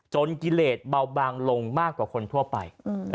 กิเลสเบาบางลงมากกว่าคนทั่วไป